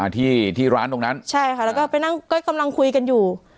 ที่ที่ร้านตรงนั้นใช่ค่ะแล้วก็ไปนั่งก็กำลังคุยกันอยู่